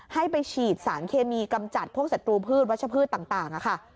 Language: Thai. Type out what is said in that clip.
ให้ไปฉีดสารเคมีกำจัดพวกศัตรูพืชวัชพืชต่างค่ะ